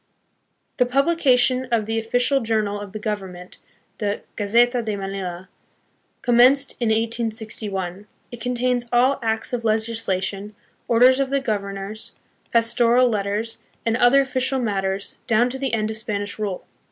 The publication of the official journal of 20 THE PHILIPPINES. the Government, the Gazeta de Manila, commenced in 1861. It contains all acts of legislation, orders of the Governors, pastoral letters, and other official matters, down to the end of Spanish rule.